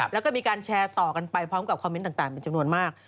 แล้วก็มีการแชร์ต่อกันไปพร้อมกับคอมเมนต์ต่างเป็นจำนวนมาก